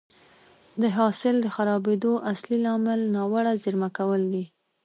د حاصل د خرابېدو اصلي لامل ناوړه زېرمه کول دي